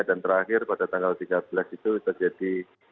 dan terakhir pada tanggal tiga belas itu terjadi